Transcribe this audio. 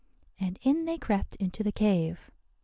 And in they crept into the cave.